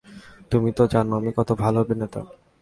তুমি তো জানো আমি কত ভালো অভিনেতা।